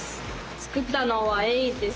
作ったのはエイです。